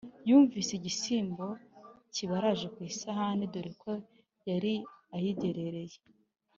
yumvise igishyimbo kibaraje ku isahani dore ko yari ayigerereye!